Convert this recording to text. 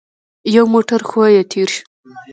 يو موټر ښويه تېر شو.